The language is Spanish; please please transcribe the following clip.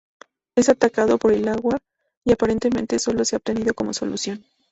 Es atacado por el agua y aparentemente solo se ha obtenido como solución.